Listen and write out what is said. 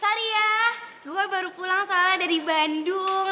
sari ya gue baru pulang soalnya dari bandung